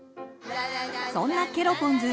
そんなケロポンズ